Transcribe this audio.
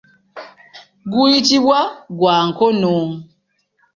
Guyitibwa gwa nkono.